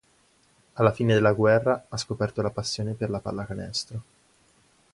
Alla fine della guerra, ha scoperto la passione per la pallacanestro.